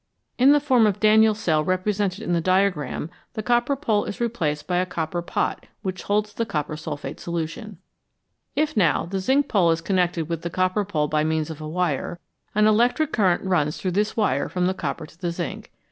In the form of Daniell cell represented in FIG. 13. Daniell Cell. the diagram the copper pole is replaced by a copper pot which holds the copper sulphate solution. If, now, the zinc pole is connected with the copper pole by means of a wire, an electric current runs through this wire from the copper to the zinc.